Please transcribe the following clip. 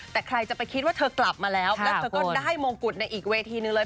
แต่ใครจะไปคิดว่าเธอกลับมาแล้วแล้วเธอก็ได้มงกุฎในอีกเวทีนึงเลย